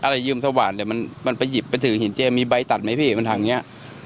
เดี๋ยวมันไปหยิบไปถือหินเจมส์มีใบตัดไหมพี่มันถังอย่างนี้